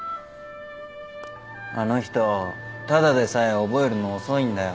あの人ただでさえ覚えるの遅いんだよ。